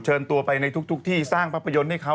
เชิญตัวไปในทุกที่สร้างภาพยนตร์ให้เขา